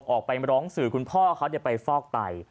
ออกไปร้องสื่อคุณพ่อเขาไปฟอกไต